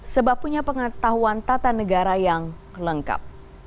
sebab punya pengetahuan tata negara yang lengkap